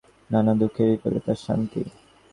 নানা দুঃখে বিপদে তার শাস্তি।